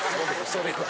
それは。